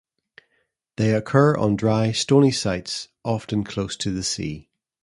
They occur on dry, stony sites, often close to the sea.